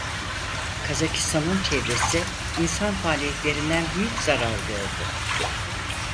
Kazakistan'ın çevresi insan faaliyetlerinden büyük zarar gördü.